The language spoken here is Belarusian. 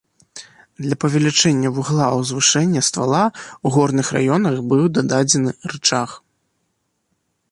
Для павелічэння вугла узвышэння ствала ў горных раёнах быў дададзены рычаг.